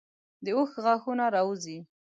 د اوښ غاښونه راوځي.